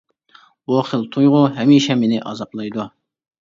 بۇ خىل تۇيغۇ ھەمىشە مېنى ئازابلايدۇ.